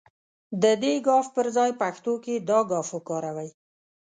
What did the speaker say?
د دې ګ پر ځای پښتو کې دا گ وکاروئ.